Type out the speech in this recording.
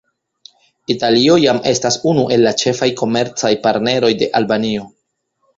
Italio jam estas unu el la ĉefaj komercaj partneroj de Albanio.